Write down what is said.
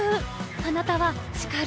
あなたはしかる？